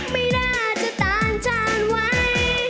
ไม่น่าจะต่างชาติไว้